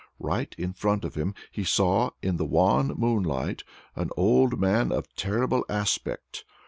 Right in front of him he saw, in the wan moonlight, an old man of terrible aspect.